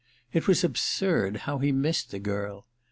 It was absurd, how he missed the girl.